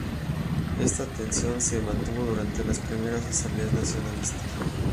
Esta tensión se mantuvo durante las primeras Asambleas Nacionalistas.